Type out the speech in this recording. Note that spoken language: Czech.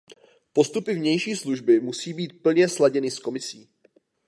Postupy vnější služby musí být plně sladěny s Komisí.